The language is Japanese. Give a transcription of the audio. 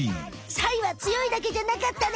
サイは強いだけじゃなかったね！